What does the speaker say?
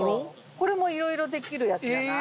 これもいろいろできるやつじゃない？